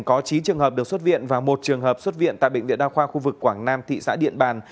có chín trường hợp được xuất viện và một trường hợp xuất viện tại bệnh viện đa khoa khu vực quảng nam thị xã điện bàn